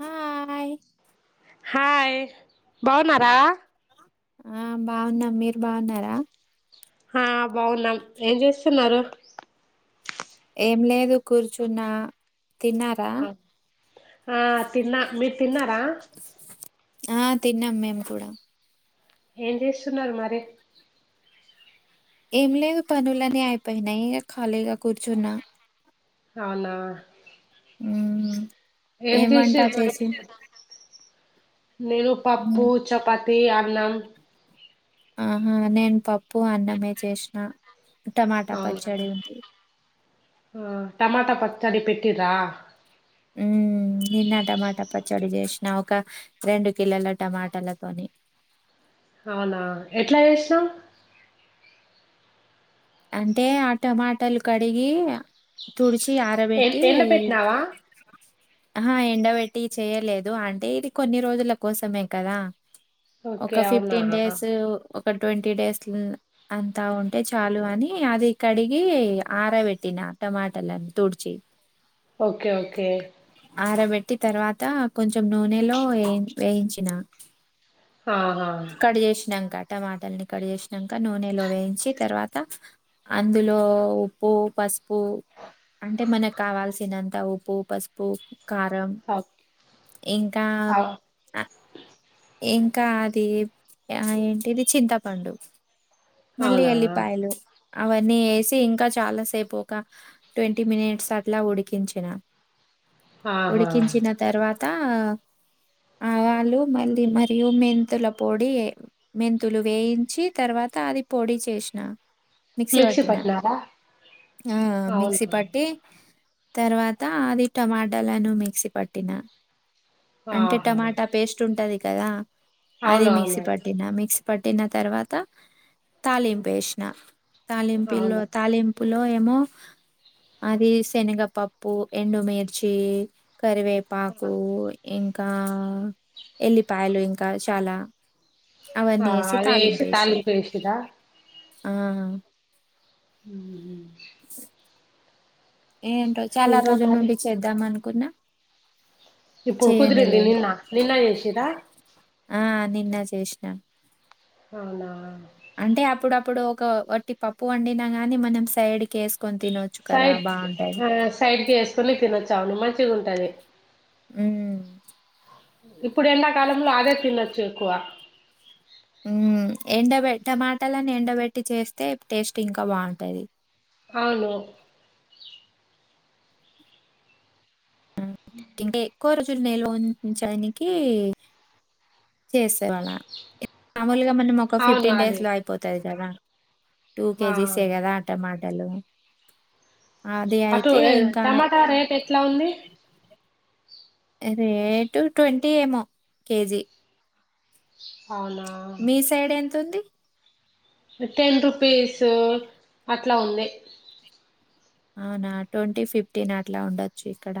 Hi hi. బాగున్నారా ఆ బాగున్నాం. మీరు బాగున్నారా ఆ బాగున్నాం ఏం చేస్తున్నారు‌ ఏం లేదు కూర్చున్నా తిన్నారా ఆ ఆ తిన్న మీరు తిన్నారా ఆ తిన్నాం మేము కూడా ఏం చేస్తున్నారు మరి ఏం లేదు పనులని అయిపోయినాయి ఇగ ఖాళీగా కూర్చున్నా అవునా ఉ ఏం వంట చేసిర్రు మరి చేసి నేను పప్పు, మ్మ్ చపాతి, అన్నం. ఆహా నేను పప్పు, అన్నమే చేసిన టమాటా అవునా పచ్చడి ఉంది ఆ టమాటా పచ్చడి పెట్టిరా మ్మ్ నిన్న టమాటా పచ్చడి చేసిన ఒక రెండు కిలోల టమాటాలతోని అవునా ఎట్లా చేసినవు అంటే ఆ టమాటాలు కడిగి తుడిచి ఎ ఆరబెట్టి ఎండ పెట్టినావా ఆ ఎండబెట్టి చేయలేదు అంటే ఇది కొన్ని రోజుల కోసమే కదా ఓకే ఒక అవునా ఫిఫ్టీన్ డేస్ ఒక ట్వంటీ డేస్ అంతా ఉంటే చాలు కాని అది కడిగి ఆరబెట్టినా టమాటలను తుడిచి ఓకే, ఓకే పట్టి తర్వాత కొంచెం నూనెలో వే వేయించిన ఆహా కట్ చేసినాక టమాటల్ని కట్ చేసినాక నూనెలో వేయించి తర్వాత అందులో ఉప్పు పసుపు అంటే మనకు కావాల్సినంత ఉప్పు, పసుపు, కారం ఓ- ఇంకా అవ్ ఇంకా అది ఆ ఏంటిది చింతపండు మళ్ళీ అవునా ఎల్లి పాయలు అవన్నీ వేసి ఇంకా చాలాసేపు ఒక ట్వంటీ మినిట్స్ అట్లా ఉడికించిన ఆహా ఉడికించిన తర్వాత ఆవాలు మళ్ళీ మరియు మెంతుల పొడి మెంతులు వేయించి తర్వాత అది పోడి చేసిన మిక్సీ పట్టిన ఆ మిక్సి అవునా పట్టి తర్వాత అది టమాటలను మిక్సీ పట్టిన అంటే ఆహా టమాటా పేస్ట్ ఉంటది కదా అది మిక్సీ అవునవును పట్టినా మిక్సీ పట్టిన తర్వాత తాలింపు వేసిన తాలింపులో అవును తాలింపు లో ఏమో అది శనగపప్పు, ఎండుమిర్చి. కరివేపాకు ఇంకా ఎల్లిపాయలు ఇంకా చాలా అవన్నీ ఆ వేసి అవి తాలింపు వేసిన వేసిరా ఆ ఉ ఏంటో చాలా ఇంకా రోజుల మరి నుండి చేద్దాం అనుకున్నా ఇప్పుడు చేయనే కుదిరింది లేదు నిన్న నిన్న చేసిరా ఆ నిన్న చేసిన అవునా అంటే అప్పుడప్పుడు ఒక వట్టి పప్పు వండినా గాని మనం సైడ్కి ఏసు సైడ్ ఆ సైడ్కి వేసుకొని తినొచ్చు అవుని మంచిగా ఉంటది ఉ ఇప్పుడు ఎండాకాలంలో అదే తినొచ్చు ఎక్కువ ఎండ టమాటాలని ఎండబెట్టి చేస్తే టేస్ట్ ఇంకా బాగుంటది అవును ఇంకా ఎక్కువ రోజులు నిల్వంచడానికి చేసేవాళ్ళ మామూలుగా మనం ఒక అవును ఫిఫ్టీన్ అదే డేస్ లో అయిపోతుంది కదా టూ ఆ కేజీసే కదా టమాటలు అది అటు అయితే ఏ, ఇంకా టమాటా రేట్ ఎట్లా ఉంది రేటు ట్వంటీ ఏమో కేజీ అవునా మీ సైడ్ ఎంత ఉంది టెన్ రూపీస్ అట్లా ఉంది అవునా ట్వంటీ ఫిఫ్టీన్ అట్లా ఉండొచ్చు ఇక్కడ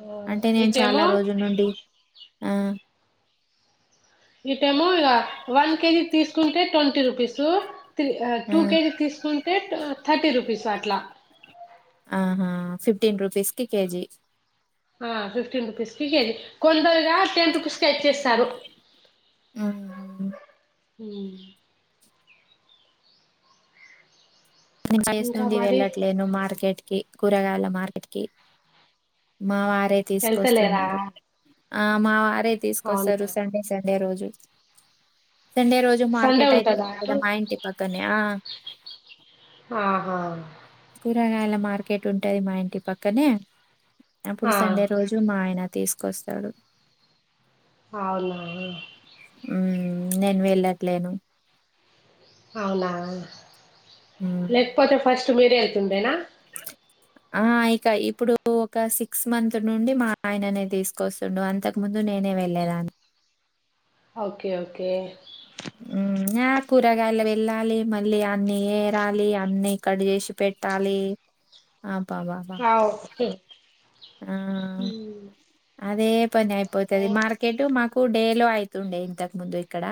ఆ, అంటే నేను చాలా ఇటేమో రోజుల నుండి ఆ ఇటేమో ఇగ వన్ కేజీ తీసుకుంటే ట్వంటీ రూపీస్ త ఆ! టూ కేజీస్ తీసుకుంటే టె థర్టీ రూపీస్ అట్లా ఫిఫ్టీన్ రుపీస్ కి కేజీ మ్ ఫిఫ్టీన్ రుపీస్ దికొందరుగా టెన్ రూపీస్కె ఇచ్చేస్తారు హుహు. మ్ వయస్ ఇంకా నుండి మరి వెళ్ళట్లేను మార్కెట్ కి కూరగాయల మార్కెట్ కి మా వారే వెళ్తలేరా తీసుకొస్తున్నారు ఆ మా వారే తీసుకొస్తారు అవునా సండే సండే రోజు సండే రోజు సండే మార్కెట్ అయితది ఉంటదా కదా అటు మా ఇంటి పక్కనే ఆహ కూరగాయల మార్కెట్ ఉంటది మా ఇంటి పక్కనే అప్పుడు ఆ సండే రోజు మా ఆయన తీసుకొస్తాడు అవునా మ్ నేను వెళ్ళట్లేను అవునా మ్మ్ లేకపోతే ఫస్ట్ మీరే వెళ్తుండేనా ఆ ఇక ఇప్పుడు ఒక సిక్స్ మంత్ నుండి మా ఆయననే తీసుకొస్తుండు అంతకు ముందు నేనే వెళ్ళేదాన్ని ఓకే ఓకే హ్మ్ ఆ కూరగాయల వెళ్ళాలి మళ్ళీ అన్ని ఏరాలి అన్ని కడ్ చేసి పెట్టాలి ఆ క్యా ఓజి ఆ అదే పని అయిపోతది మార్కెట్ మాకు డే లో అయితుండే ఇంతకు ముందు ఇక్కడ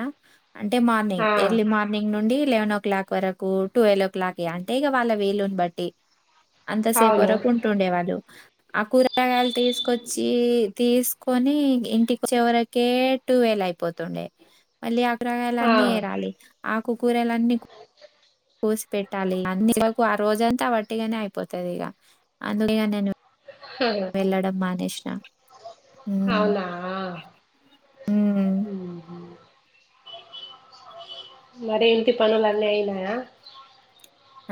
అంటే మార్నింగ్ ఆ ఎర్లీ మార్నింగ్ నుండి లెవెన్ ఓ క్లాక్ వరకు ట్వెల్వ్ ఓ క్లాక్ అంటే ఇక వాళ్ళ విలుని బట్టి అంతసేపు అవును వరకు ఉంటుండేవాళ్ళు ఆ కూరరగాయలు తీసుకొచ్చి తీసుకొని ఇంటికి చివరికే టు వె ల్ అయిపోతుండే మళ్ళీ ఆ కూరగాయలు అన్నీ ఆ ఎరాలి ఆకుకూరలన్నీ కోసి పెట్టాలి అన్ని ఆకు ఆ రోజంతా అట్టిగానే అయిపోతుది ఇగ అందుక ఇ నేను వెళ్ళడం మానేసిన మ్ హ మరి ఏంటి పనులున్నీ అయినాయా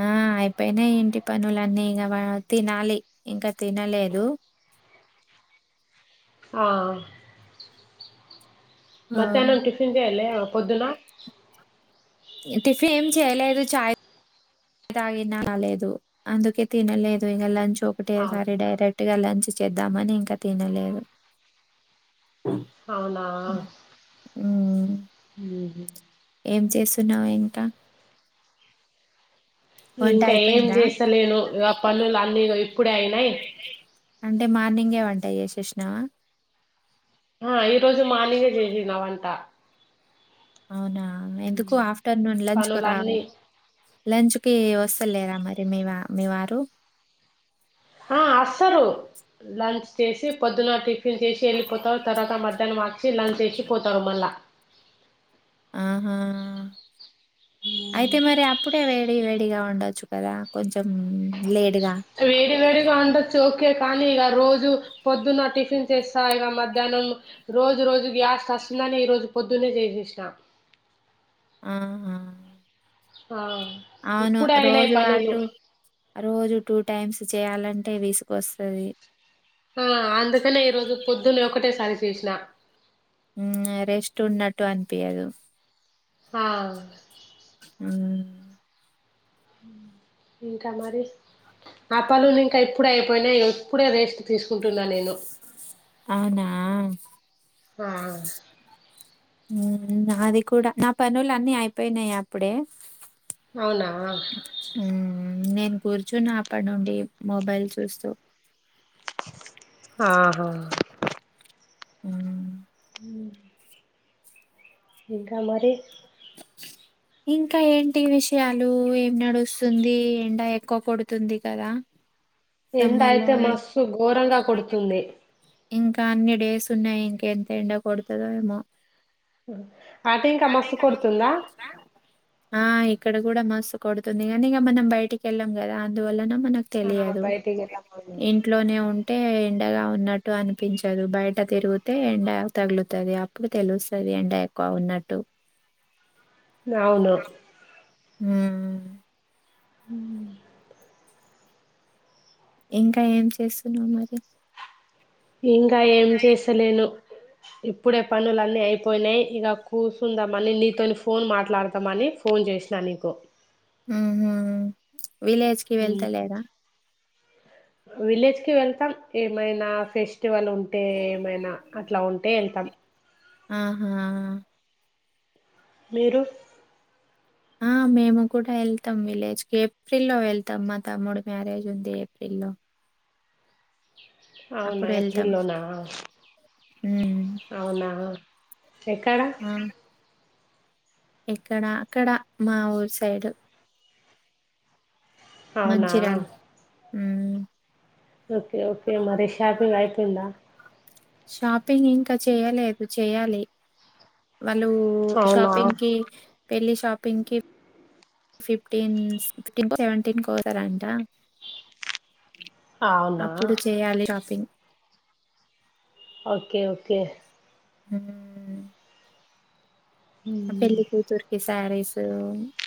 ఆ అయిపోయినై ఇంటి పనులన్నీ ఇక తినాలి ఇంకా తినలేదు ఆ ఆ మధ్యాహ్నం టిఫిన్ చేయాలె పొద్దున టిఫిన్ ఏం చేయలేదు చాయ తాగినా రలేదు అందుకే తినలేదు ఇక లంచ్ ఆ, ఒకటేసారి డైరెక్ట్ గా లంచ్ చేద్దామని ఇంకా తినలేదు అవునా ఉమ్ మ్ హు ఏం చేస్తున్నావు ఇంకా వంట ఇంకా ఏం అయిపోయిందా చేస్తలేను ఇక పనులు అన్నీ ఇప్పుడే అయినాయి అంటే మార్నింగే వంట చేసేసినావా ఆ ఈ రోజు మార్నింగే చేసిన వంట అవునా ఎందుకు ఆఫ్టర్నూన్ లంచ్ కు రారా పనులన్నీ లంచ్ కి వస్త లేరా మరి మీ మీ వారు ఆ వస్తారు లంచ్ చేసి పొద్దున టిఫి న్ చేసి వెళ్ళిపోతారు తర్వాత మధ్యాహ్నం వచ్చి లంచ్ చేసి పోతారు మళ్ళా ఆహా అయితే మరి అప్పుడే వే వేడివేడిగా ఉండొచ్చు కదా కొంచెం లేట్ వేడివేడిగా వండొచ్చు ఓకే కానీ ఇక రోజు పొద్దున్న టిఫిన్ చేస్తా ఇక మధ్యాహ్నం రోజు రోజు గ్యాసు అస్తమాను కాని ఈ రోజు పొద్దున్న చేసేసినా ఆహా ఆ అవును ఇప్పుడే అయినాయి రోజు పనులు పాటు రోజుకు టూ టైమ్స్ చేయాలంటే విసుగొస్తది ఆ అందుకనే ఈరోజు పొద్దున్న ఒకటేసారి చేసినా హ్మ్. రెస్ట్ ఉన్నట్టు అనిపియదు ఆ ఆ ఇంకా మరి నా పనులు ఇంకా ఇప్పుడే అయిపోయినయి ఇగ ఇప్పుడే రేస్ట్ తీసుకుంటున్నా నేను అవునా ఆ నాది కూడా నా పనులు అన్నీ అయిపోయినాయి అప్పుడే అవునా హ్మ్. నేను కూర్చున్న అప్పటి నుండి మొబైల్ చూస్తూ ఆహా ఉ ఉ ఇంకా మరి అ ఇంకా ఏంటి విషయాలు ఏం నడుస్తుంది ఎండ ఎక్కువ కొడుతుంది కదా ఎండ సమ్మర్‌లో అయితే ఇ మస్తు ఘోరంగా కొడుతుంది ఇంకా అన్ని డేస్ ఉన్నాయి ఇంక ఎంత ఎండ కొడతదో ఏమో అటు ఇంకా మస్తు కొడుతుందా ఆ! ఇక్కడ కూడా మస్తు కొడుతుంది కానీ ఇక మనం బయటికి వెళ్ళాం కదా అందువల్లన మనకు ఆ తెలియదు బయటికి వెళ్ళమను ఇంట్లోనే ఉంటే ఎండగా ఉన్నట్టు అనిపించదు బయట తిరుగితే ఎండ తగులుతుంది అప్పుడు తెలుస్తుది ఎండ ఎక్కువ ఉన్నట్టు అవును ఉ ఉ ఇంకా ఏం చేస్తున్నావు మరి ఇంకా ఏం చేస్తాలేను ఇప్పుడే పనులు అన్నీ అయిపోయినాయి ఇక కూర్చుందాంమని నీతోని ఫోన్ మాట్లాడదాంమని ఫోన్ చే సినా నీకు ఆహా విలేజ్ కి వెళ్తలేదా విలేజ్ కి వెళ్తాం ఏమైనా ఫెస్టి ఫెస్టివల్ ఉంటే ఏమైనా అట్లా ఉంటే వెళ్తాం ఆహా మీరు ఆ! మేము కూడా ఏళ్తం విలేజ్కి ఏప్రిల్లో వెళ్తం మా తమ్ముడు మ్యారేజుంది ఏప్రిల్లో ఔనా వెళ్తాం. ఏప్రిల్లోనా హ్మ్. ఔనా ఎక్కడ ఆ! ఎక్కడ అక్కడ మా ఊర్ సైడు ఔనా ఉమ్ ఒకే ఒకే మరి షాపింగ్ ఐపోయిందా షాపింగ్ ఇంక చేయలేద్ చేయాలి వాళ్ళూ అవునా షాపింగ్కి పెళ్ళి షాపింగ్కి ఫిఫ్టీన్ స్ టిన్ సెవెంటీన్ కోతరంట అవునా అప్పుడు చేయాలి చాపింగ్ ఒకే ఒకే ఊమ్ పెళ్లి కూతుర్కి సారిస్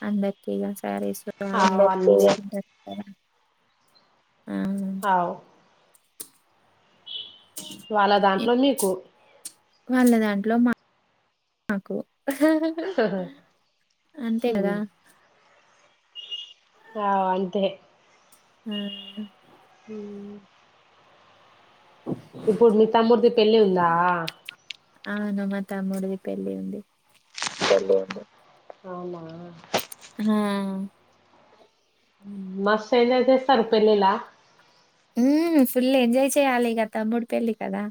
అందర్కిగ సారిస్ వి అవు ఇవి అన్నీ తీస్కుంటరు ద ఆ అవు వాల్ల ఎ దాంట్లో మీకు వాళ్ళ దాంట్లో మ మాకు అంతే గదా ఔ అంతే ఆ ఉమ్ ఇప్పుడు మి తమ్ముడ్ది పెళ్లి ఉందా ఔను మ తమ్ముడ్ది పెళ్లి ఉంది ఔనా ఆ మస్త్ ఎంజాయ్ చేస్తారు పెళ్లిల హ్మ్ ఫుల్ ఎంజాయ్ చేయాలిగ తమ్ముడు పెళ్ళి కదా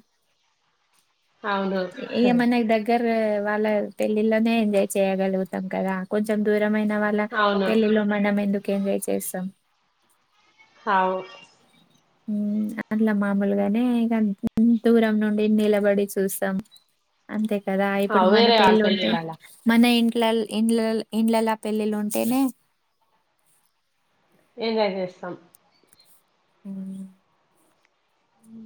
అవును ఇగ మనక్ దగ్గరా వాళ్ళ పెళ్ళిల్లనే ఎంజాయ్ చేయగలుగుతాం కదా కొంచెం దూర మైన వాళ్ళ అవును పెళ్ళిలో మనం ఎందుకు ఎంజాయ్ చేస్సం ఔ ఉ అట్ల మామూల్గనే ఇగం దూరం నుండి నిలబడి చూస్సం అంతే కదా ఇప్పుడు అవు మన వేరే వాళ్ళ పెళ్ళుంటే పెళ్ళిళ్ళలా మన ఇం ఇంట్ల ఇండ్లల్ ఇండ్లలా పెళ్ళిలుంటేనే ఎంజాయ్ చేస్తాం ఉమ్ ఉ